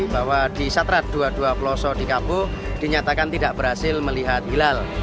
bahwa di satradar dua ratus dua puluh dua plosok di kabupaten blitar dinyatakan tidak berhasil melihat hilal